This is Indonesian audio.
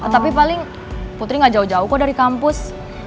tapi paling putri gak jauh jauh kok dari kampus